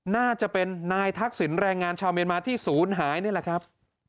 น่าจะเป็นนายทักษิณแรงงานชาวเมียนมาที่ศูนย์หายนี่แหละครับ